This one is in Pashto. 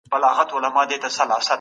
د سرچینو ضایع کېدل د اقتصاد زیان دی.